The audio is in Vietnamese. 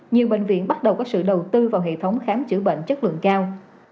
nhiều bệnh viện bắt đầu có sự đầu tư vào hệ thống khám chữa bệnh chất lượng cao